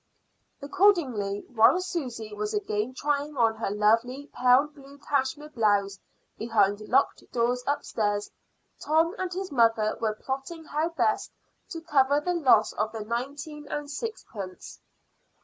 Accordingly, while Susy was again trying on her lovely pale blue cashmere blouse behind locked doors upstairs, Tom and his mother were plotting how best to cover the loss of the nineteen and sixpence.